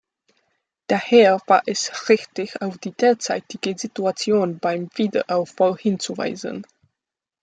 Daher war es richtig, auf die derzeitige Situation beim Wiederaufbau hinzuweisen.